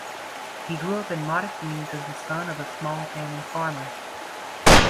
He grew up in modest means as the son of a small family farmer.